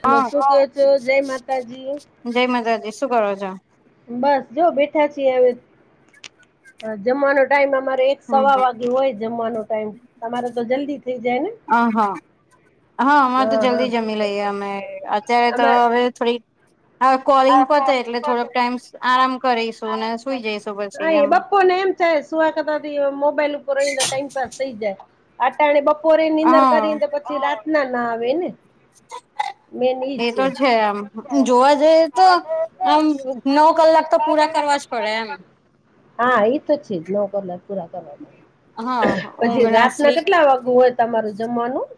Hello હા, શું કે છો જય માતાજી જય માતાજી! શું કરો છો? બસ, જો બેઠા છીએ અવે, અ જમવાનો ટાઈમ અમારો હમ એક-સવા હમ વાગ ગે ઓય જમવાનો ટાઈમ, તમારે તો જલ્દી થેઈ જાય ને? અહ હ, અમારે તો હા હા જલ્દી જમી લઈએ અમે, અત્યારે તો આમાં અવે થોડી અવે કોલિંગ પતે એટલે થોડોક ટાઈમ્સ આરામ કરીશું ને સુઈ જઈશું પછી એમ. અત્યારે સુવા કરતા તો એવા મોબાઈલ ઉપર ઓય ને તો ટાઈમ પાસ થઈ જાય, આટાણે બપોરે નીંદર હા કરીને તો પછી રાતના ના આવે ને. મેન ઈ એતો છે એમ, જોવા જ જઈએ તો આમ નવ કલાક તો પૂરા કરવા જ પડે એમ. હા, ઈ તો છે જ નવ કલાક પૂરા કરવા પડે. હા ઊંઘ પછી ના રાતના સ્લીપ કેટલા વાગુ ઓય તમારું જમવાનું?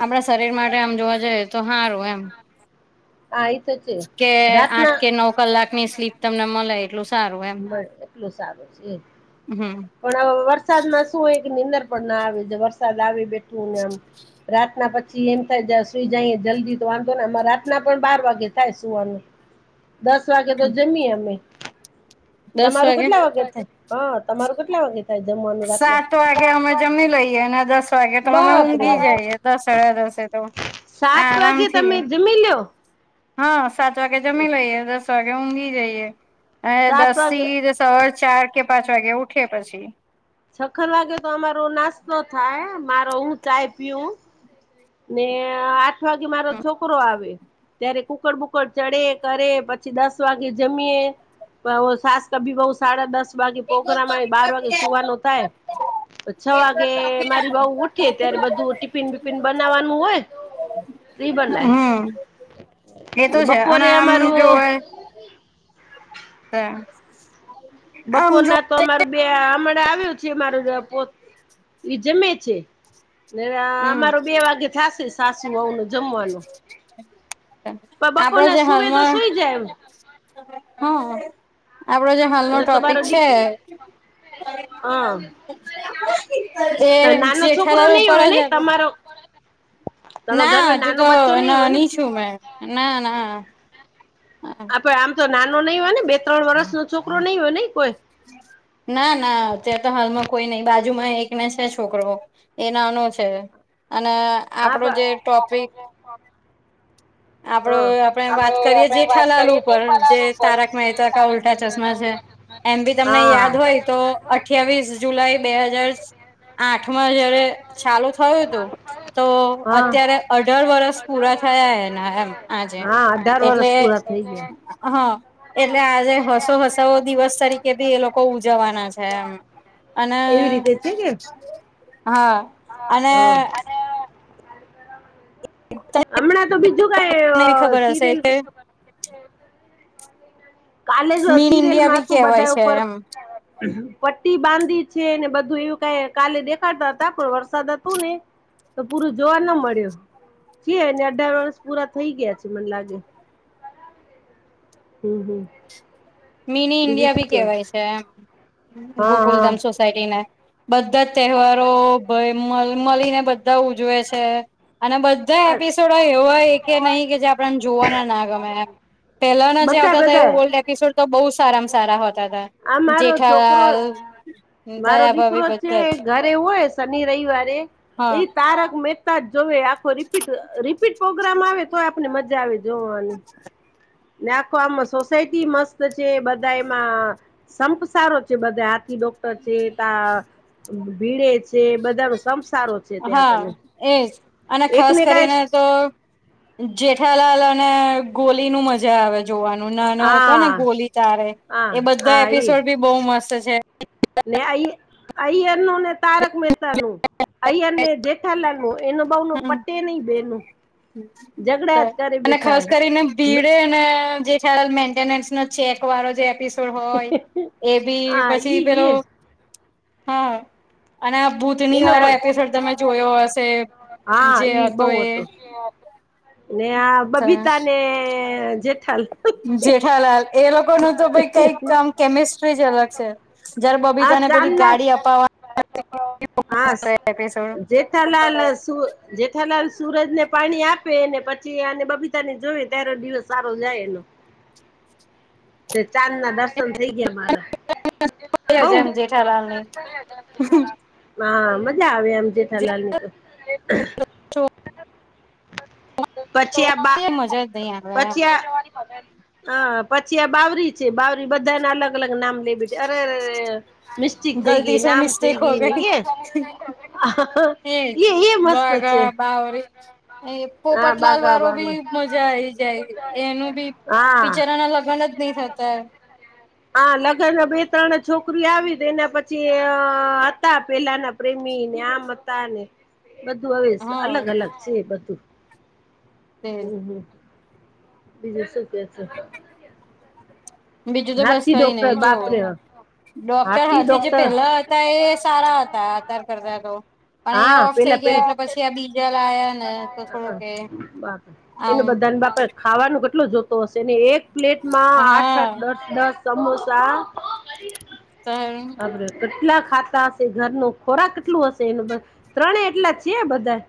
આપડા શરીર માટે આમ જોવા જઈએ તો હારું એમ. હા, ઈ તો છે. કે આઠ રાતના કે નવ કલાકની સ્લીપ તમને મલે એટલું સારું એમ. એટલું સારું છે. હુમ્મ, પણ અવે વરસાદમાં શું ઓય કે નીંદર પણ ના આવે છે વરસાદ આવે બેઠ્ઠુ ને આમ રાતના પછી એમ જાય સુઈ જાએ જલ્દી તો વાંધો નઈ એમા રાત તના પણ બાર વાગે થાય સુવાનું, દસ વાગે તો જમીએ અમે. તમારું કેટલા વાગે થાય? હ, તમારું કેટલા વાગે થાય જમવાનું રાતના? ત્યાના દસ વાગે તો અમે બાપરે ઊંઘી બાપ જઈએ દસ સાડા દસે તો. સાત વાગે આરામથી તમે જમી લ્યો. હા સાત વાગે જમી લઈએે દસ વાગે ઊંઘી જઈએ અને સાત દસ વાગે થી. સ ચાર કે પાંચ વાગે ઉઠે પછી છખન વાગે તો અમારો નાસ્તો થાય મારો હું ચાય પીઉ ને આઠ વાગે મારો છોકરો આવે ત્યારે કુકડ બુકડ ચડે કરે પછી દસ વાગે જમીએ સાસ કભી બઉ સાડા દસ વાગે પોગરામ આવ બાર વાગે સુવાનું થાય. છ વાગે મારી વઉ ઉઠે ત્યારે બધું ટિફિન બીફિન બનાવાનું હોય, રી બનાય. હમ એ તો છે અને બપોરે આમ અમારું હ બપોર ના તો અમારું બે હમણા આવ્યું છે મારું પોત એ જમે છે. હમ અમારો બે વાગે થાશે સાસુ વહુ નો જમવાનું પણ બપોર ના સુવે તો સુઈ જાય. હ આપણે જે હાલનો ને ટોપિક તમારો દી છે. હા એ તો નાનો છોકરો જેઠાલાલ નહી ઉપર હોય જ ને હે તમારો તમારા ના ઘરમાં હજુ નાનો તો બચ્ચો નહી હોય ને નાની છું મે ના ના આમ તો નાનો નહી હોય ને બે ત્રણ વર્ષ નો છોકરો નઈં હોય નઈ કોઈ ના ના અત્યાંર તો હાલમાં કોઈ નઈ બાજુમાં એકને છે છોકરો એ નાનો છે અને હા આપડો પા જે ટોપિક આપડો હા આપે વાત કરીએે જેઠાલાલુ ઉપર જે તારક મહેતા કા ઉલ ટા ચશ્મા છે એમ બી તમને યાદ હોય તો અઠ્યાવીસ જુલાઈ બે હજાર આઠમાં જયારે ચાલુ થયું હતું તો અત્યારે હા અઢાર વરષ પૂરા થયા એના એમ આજે હા અઢાર એટલે વર્ષ પૂરા થઈ ગયા હા એટલે આજે હસો હસાવો દિવસ તરીકે બી એ લોકો ઉજવવાના છે એમ અને એવી રીતે છે કે હા અને હમણાં તો બીજું તમને એવી કાઈ ખબર હશે સિરિયલ કે કાલે જ મીન ઇન્ડિયા સિરિયલમાં ભી હતું કેવાય બધા છે ઉપર એમ પટ્ટી બાંધી છે ને બધુ એવું કાઈ કાલે દેખાડતા હતા પણ વરસાદ હ તું ને તો પૂરું જોવા ના મળ્યું. જે એને અઢાર વર્ષ પૂરા થઈ ગયા છે મને લાગે હમ્મ હમ્મ. મિની ઇન્ડિયા બી કેહેવાય છે એમ હા ગોકુલધામ સોસાયટીને બધા જ તહેવારો ભય મળીને બધા ઉજવે છે. અને બધા હા એપિસોડો એવા કે નહીં કે જે આપણેને જોવાના ના ગમે એમ પેલાના જે બધા આવતા હતા એ બધા ઓલ્ડ એપિસોડ તો બહુ સારામાં સારા હોતા હતા. આ મારો છોકરો જેઠાલાલ દયા ભાભી બધા જ એવું હોય શનિ રવિવારે એ હા તારક મેહ તા જ જો આખો રિપીટ રીપીટ પ્રોગ્રામ આવે. તોએ આપને મજા આવે જોવાની. ને આખો આમાં સોસાયટી મસ્ત છે બધા એમાં સંપ સારો છે બધા હાથી ડોક્ટર છે તા ભીડે છે બધા નો સંપ હા એજ અને ખાસ એકને કઈ કરીને, તો જેઠાલાલ અને ગોલી નું મજા આવે, જોવાનું નાનો હતો ને હા ગોલી તારે હા એ બધા હા એ એપિસોડ બી બહુ મસ્ત છે. ને અય અયયર નું ને તારક મહેતા નું અયયર ને જે જેઠા લાલ નું એનુ બઉ નુ હમ પટે નહી બેનું. ઝઘડા જ કરી અને બેઠા ખાસ હે. કરીને બીડે, ન જેઠાલાલ મેન્ટેસ નો ચેક વાળો જે એપિસો ડ હોય એ બી હા પછી ઈ પેલો એ હા, અને આ ભુતની એનો વાળો પણ એપિસોડ તમે જોયો હશે હા જે ઈ હતો બહુ એ. ને આ બબીતા ને જેઠાલાલ જેઠાલાલ એ લોકો નુ તો ભઈ કઈક કામ કેમિસ્ટ્રી જ અલગ છે. જ્યારે આ બબીતાને પેલી ચાંદના ગાડી અપાવા. હા [inaudible] જેઠાલાલ એ સુ જેઠાલાલ સુરજને પાણી આપે ને પછી આને બબી તને જોઈ ત્યારે દિવસ સારો જાય એનો [unintelligible] તે ચાંદ ના દર્શન થઇ ગયા મારા. એ બઉ જેમ જેઠાલાલ ની મા મજા આવે એમ જેઠાલાલ ની તો. પછી આ બા મજા જ નહી આવે એમ પછી આ હ પછી આ બાવરી છે બાવરી બધાને અલગ અલગ નામ લે બી અરે રે રે રે. મિસ્ટેક થઈ ગલતી ગઈ સે નામ થઈ મિસ્ટેક હો ગઈ ને એ. હા હા એજ ઈયે ઈયે મસ્ત છે. બગા બાવરી એ હા પોપટલાલ બાઘા વાળોબી બાવરી મજા આઈ જાય એનું બી હા બિચારા ના લગ્ન જ નહી થતા. હા લગ્ન ના બે ત્રણ છોકરી આવી એના પછી હતા પેલાના. પ્રેમી ને આમ હતા ને. બધું હવે હા અલગ અલગ છે બધું તેજ હમ હમ. બીજુ શું કેતા તા. બીજું તો બસ હાથી કઈ નય ડોક્ટર જો બાપરે ડોક્ટર હાથી જે પેલા હતા એ સારા હતા અતાર કરતા તો. હા અહીંયા ઓફ પેલા થઇ ગયા પેલા એટલે પછી આ બીજા લાયા ને તો થોડું કે બાપ એને આમ બધાને બાપા ખાવાનું કેટલું જોતો હશે ને એક પ્લેટમાં આઠ હા આઠ દસ દસ સમોસા તો આપ. [inaudible] કેટલા ખાતા હશે ઘર નુ ખોરાક કેટલું હશે એનું બ ત્રણે એટલા છે. બધા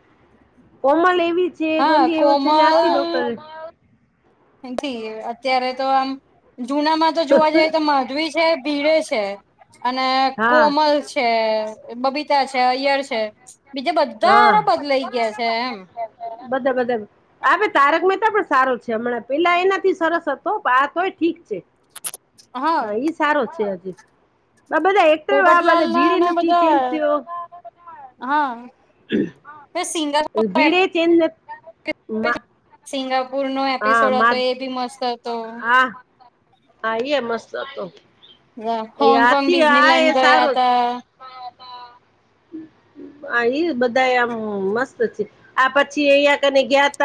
કોમલ એવી છે. હા ગોલી એવો છે. ને હાથી કોમલ ડોક્ટર અત્યારે તો આમ જુનામાં તો જોવા જઈએ તો માધવી છે. ભીડે છે. અને હા કોમલ છે. બબીતા છે અયર છે. બીજે બધા હા બદલાઈ ગયા છે. એમ બધા બદલ હવે તારક મહેતા પણ સારો છે. હમણાં પેલા એનાથી સરસ હતો આ તોય ઠીક છે. હા ઈ સારો છે. હજી આ બધા એક્ટર વા પોપટલાલ બધા ના ભીડે અને નથી ચેન્જ બધા થયો હા એ સિન્ગલ ભીડે ચેન્જ નથ પેલા સિંગાપુર નો હા એપિસોડ મા હતો એ બી મસ્ત હતો હા હા આઈ એ મસ્ત હતો, એ હોંગકોંગ આથી આ એ ડિઝનીલન્ડ ગયા સારો હતાં. આ રીલ બધાય આમા મસ્ત છે. આ પછી અહં કને ગયા ત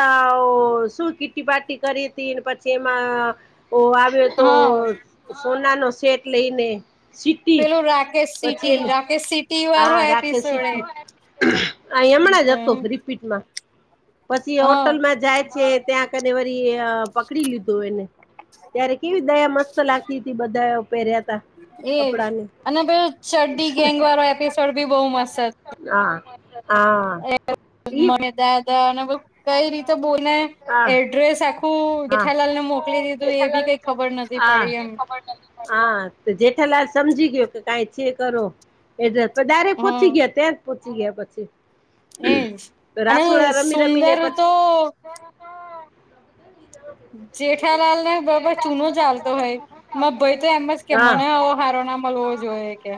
શું કીટી પાટી કરી હતી પછી એમાં. ઓ આવ્યો તો હા સોના નો સેટ લઈને. સીટી પેલું રાકેશ પછી સિટી એની રાકેશ સિટી વાળો હા રાખે એપિસોડ એ સીટી આ હમણાં જ હતો રિપીટમાં... પછી હ હોટલમાં જાય છે. ત્યાં કને વરી પકડી લીધું એને ત્યારે કેવી દયા મસ્ત લાગતી હતી. બધા પહેર્યા. તા એજ કપડાને અને પ ચડડી ગેંગ વાળો એપિસોડ ભી બહુ મસ્ત હતો. ના [inaudible] [unintelligible] કઈ રીતે બોલે હા એડ્રેસ આખું, હું હા જેઠાલાલ ને મોકલી દીધું એ બી કઈ ખબર નથી હા પડી એમ, હા તો જેઠાલા સમજી ગયો કે કઈ છે કરો એડ્રેસ હા પૂચી ગયા ત્યાં પૂચી ગયા પછી. એજ તો અને રાસોડા રમી રમીને સુંદર પછ, તો જેઠાલાાલ ને બરાબર ચૂનો ચાલતો હોય, માર ભાઈ તો એમ જ કે હા મને આવો હારો ના મળવો જોઈએ કે,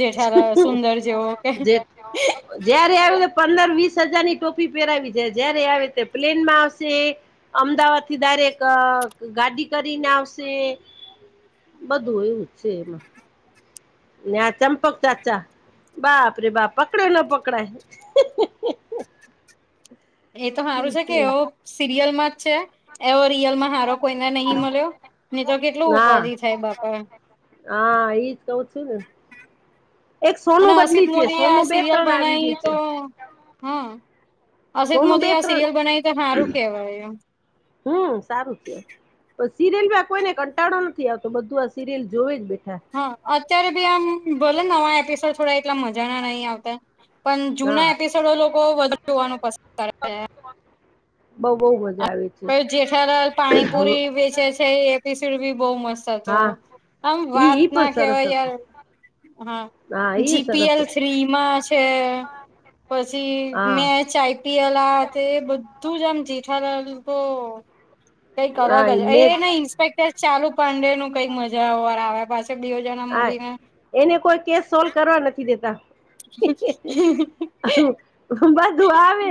જેઠાલાલ સુંદર જેવો કે, જે જયારે આવે પંદર વીસ હજારની ટોપી પહેરાવીદે જાય જયારે આવે ત્યારે પ્લેન માં આવશે અમદાવાદ થી ડાયરેક ગાડી કરીને આવશે, બધું એવું જ છે એમાં, ને આ ચંપક ચાચા બાપરે બાપ પકડે ન પકડાય એ તો સારું છે કે એવો સિરિયલ માં જ છે એવો રિયલમાં હારો કોઈને નહીં મળ્યો ને તો કેટલું હા ઉપાધિ થાય બાપા, હા ઈજ કઉ છું ને, એક અને સોનું અસિત બદલી છે મોદી એ આ સોનું બે સિરિયલ ત્રણ આવી ગય બનાવી તો છે, હા અસિત સોનું બે મોદીએ આ ત્રણ સિરિયલ બનાવી તો સારું કેવાય એ હમ સારૂ થ્યું, પણ સિરિયલમાં કોઈને કંટાળો નથી આવતો બધું આ સિરિયલ જોવે જ બેઠા હા અત્યારે ભી આમ ભલે નવા એપિસોડ થોડા એટલા મજા ના નહી આવતા, પણ હા જૂના એપિસોડો લોકો વધાર જોવાનું પસંદ કરે, બઉ બહુ હો, જેઠલાલ પાણીપુરી વેચે છે એ એપિસોડ બી બઉ મસ્ત, તો હા આમ ઈ વાત ઈ પણ ના સરસ કેવાય યાર, હતું હા ઈ સરસ જીપીએલ થ્રી માં છે. પછી હા મેચ આઇ આઈપીએલ આ તે એ બધું જ આમ જેઠાલાલ તો કંઈક અલગ હા જ મેં એ નઈ ઈન્સપેકટર ચાલુ પાંડે નું કઈક મજા ઓર આવ્યા પાછું, તે બેઉ જના હા મલીને એને કોઈ કેસ સોલ્વ કરવા નથી દેતા, બધું આવે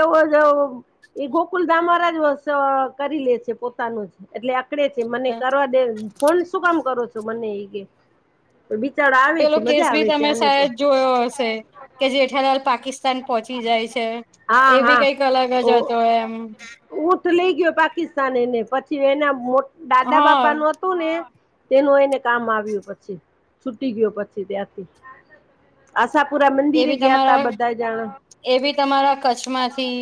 એવો જોવ એ ગોકુલધામ વારા જ કરી લે છે પોતાનું જ, એટલે આકડે છે મને કરવા દે ફોન શું કામ કરો છો મને ઈ કે, [unintelligible] પેલો કેસ ભી આવે છે તમે આને પણ સાયદ જોયો હશે કે જેઠાલાલ પાકિસ્તાન પોહોંચી જાય છે હા એ બી કઈક અલગ જ હતો એમ ઊટ લઈ ગયો પાકિસ્તાન એને પછી એના દાદા હા બાપા નો [unintelligible] તેનો એને કામ આવ્યું પછી છુટી ગયો પછી ત્યાંથી આશાપુરા એ મંદિરે બી ગયાતા તમારા બધાય યા એ ભી તમારા કચ્છમાંથી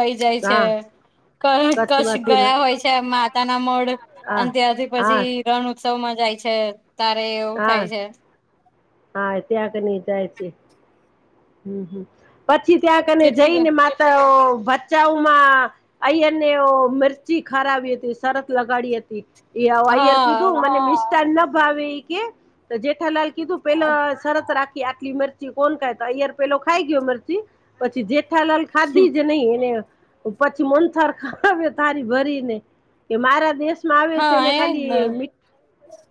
લઈ જાય છે હા [unintelligible] કચ્છ કચ્છમાંથી ગયા હોય છે માતા ના મઢ હા અને ત્યારથી હા પછી રણ ઉત્સવમાં જાય છે તારે એવું થાય હા છે હા ત્યાં કને જાય છે પછી ત્યાં કને કેટલી બ જઈને માતા ભચાઉ માં ઐયર ને ઓ મિર્ચી ખારાવી હતી સરત લગાડી હતી [unintelligible] ઐયર હા કીધું મને મિસ્ટાન ના ભાવે ઈ કે તો જેઠાલાલ કીધું પેલા સરત રાખી આટલી મરચી કોણ ખાય તો ઐયર પેલો ખાઈ ગયો મરચી પછી જેઠા લાલ ખાધી જ નહી એને પછી [unintelligible] થારી ભરીને કે મારા દેશ માં આવે છે હા ને એજ ખાલી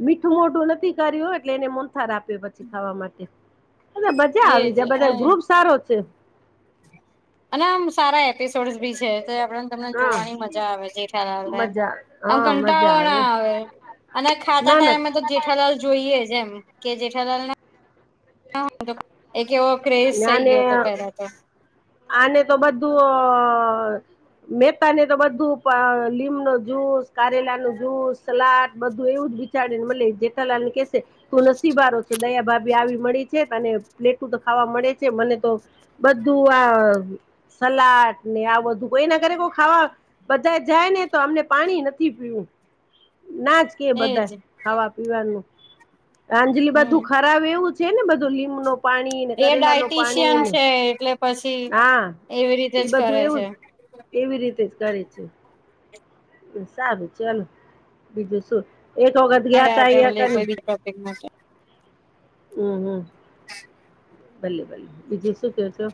મીઠું મોઢું નથી કર્યું એટલે એને મોહનથાળ આપ્યો પછી ખાવા માટે અને બધા આવી એજ જાય બધા ગ્રુપ સારો છે અને આમ સારા એપિસોડસ બી છે આપને તમને હા જોવાની મજા આવે ના આવે મજા આમ હા કંટાળો મજા ના આવે અને ખાતા ના ના ટાઈમે તો જે ઠાલાલ જોઈએ જ એમ કે જેઠાલાલ એક એવો ક્રેઝ થઇ નાને ગયો હતો પેલા તો આને તો બધું મહેતા ને તો બધું લીમ નો જુસ કારેલા નું જુસ સલાડ બધું એવું જ [unintelligible] ને મલે જેઠાલાલ ને કેસે તું નસીબવારો છો દયા ભાભી આવી મળી છે અને પ્લેટું તો ખાવા મળે છે મને તો બધું આ સલાડ ને આ બધું કોઈ ના ઘરે બો ખાવા બધા જાય ને તો અમને પાણી નથી પીવું ના જ કે એજ બધા ખાવા પીવાનું અંજલી હમ બધું ખરાવે એવું જ એ ન પાણી ડાયટીશિયન ને છે એટલે પછી હા એવી રીતે એ જ બધું કરે છે એવું એવી રીતે જ કરે છે સારું છે ને બીજું શું એક વખત ગયાતા આગળ યા લે કન, કોઈ બી ટોપિકમાં હુ હુ ભલે ભલે બીજું શું કયો છો